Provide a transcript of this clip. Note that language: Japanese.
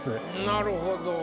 なるほど。